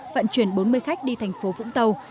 vận chuyển bốn mươi khách đi thành phố vũng tàu